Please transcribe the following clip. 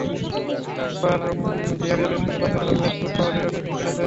রোববার ভিয়ারিয়ালের সঙ্গে বার্সেলোনার ম্যাচে চোট পাওয়া লিওনেল মেসিই খেলছেন না।